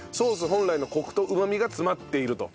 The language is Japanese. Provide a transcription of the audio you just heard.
本来のコクとうまみが詰まっていると。